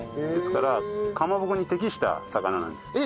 ですからかまぼこに適した魚なんです。